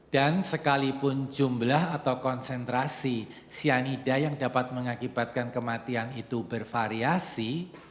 dan sekalipun jumlah atau konsentrasi cyanida yang dapat mengakibatkan kematian itu bervariasi